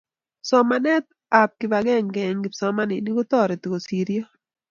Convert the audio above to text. somanet ap kipakenge eng kipsomaninik kotareti kosiryo